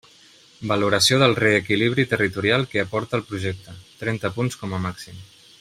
Valoració del reequilibri territorial que aporta el projecte, trenta punts com a màxim.